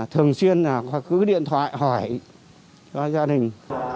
thường xuyên là cứ điện thoại hỏi cho gia đình